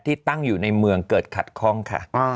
ที่ตั้งอยู่ในเมืองเกิดขัดข้องค่ะ